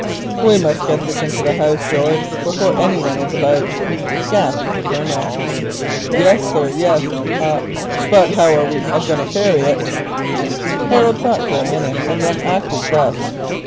"We must get this into the house, George, before any one is about," gasped the Colonel. "Yes, sir, yes, for sure we must; but how be we a going to carry it?" Harold thought for a minute, and then acted thus.